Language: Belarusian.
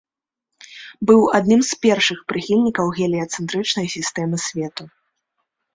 Быў адным з першых прыхільнікаў геліяцэнтрычнай сістэмы свету.